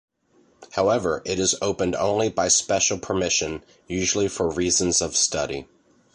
However, it is opened only by special permission, usually for reasons of study.